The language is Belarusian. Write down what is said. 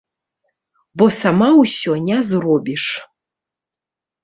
Бо сама ўсё не зробіш.